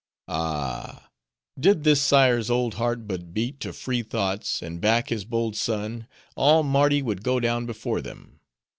Ah! did this sire's old heart but beat to free thoughts, and back his bold son, all Mardi would go down before them.